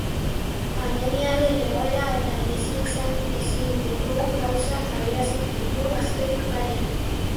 Pandemiaren egoera eta bizi izan ezin ditugun gauzak adierazi ditu azken lanean.